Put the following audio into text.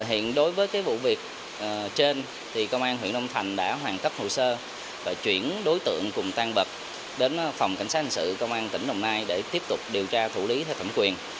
hiện đối với vụ việc trên thì công an huyện long thành đã hoàn tất hồ sơ và chuyển đối tượng cùng tan vật đến phòng cảnh sát hành sự công an tỉnh đồng nai để tiếp tục điều tra thủ lý theo thẩm quyền